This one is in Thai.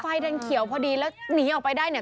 ไฟแดงเขียวพอดีแล้วหนีออกไปได้เนี่ย